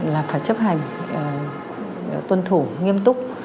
là phải chấp hành tuân thủ nghiêm túc